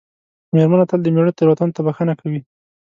مېرمنه تل د مېړه تېروتنو ته بښنه کوي.